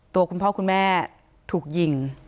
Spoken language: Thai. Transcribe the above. คุณพ่อคุณแม่ถูกยิง